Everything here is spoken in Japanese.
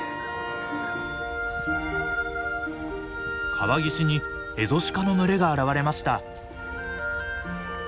川岸にエゾシカの群れが現れました。